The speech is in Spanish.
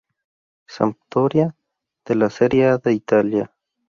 Sampdoria de la Serie A de Italia.